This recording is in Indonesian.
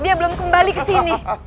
dia belum kembali ke sini